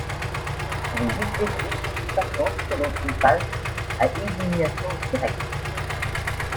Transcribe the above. Les huit équipes s'affrontent selon une phase à élimination directe.